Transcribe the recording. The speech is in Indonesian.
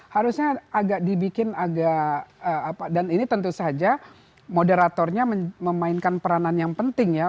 harusnya agak dibikin agak dan ini tentu saja moderatornya memainkan peranan yang penting ya